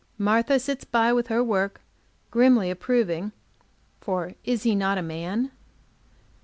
Martha sits by, with her work, grimly approving; for is he not a man?